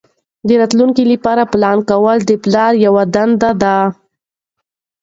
د راتلونکي لپاره پلان کول د پلار یوه دنده ده.